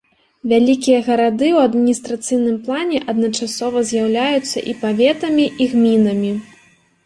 Вялікія гарады ў адміністрацыйным плане адначасова з'яўляюцца і паветамі, і гмінамі.